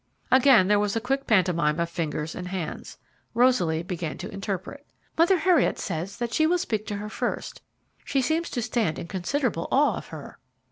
Again there was a quick pantomime of fingers and hands. Rosaly began to interpret. "Mother Heriot says that she will speak to her first. She seems to stand in considerable awe of her."